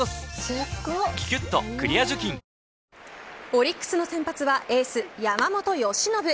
オリックスの先発はエース山本由伸。